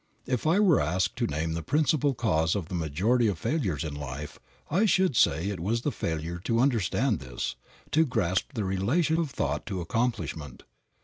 If I were asked to name the principal cause of the majority of failures in life I should say it was the failure to understand this, to grasp the relation of thought to accomplishment.